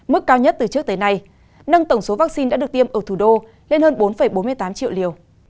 mức cao nhất từ trước tới nay nâng tổng số vaccine đã được tiêm ở thủ đô lên hơn bốn bốn mươi tám triệu liều